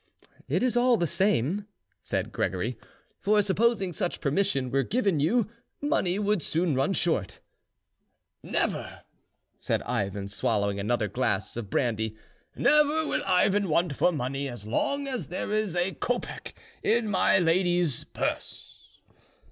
"It is all the same," said Gregory; "for supposing such permission were given you, money would soon run short." "Never!" said Ivan, swallowing another glass of brandy, "never will Ivan want for money as long as there is a kopeck in my lady's purse."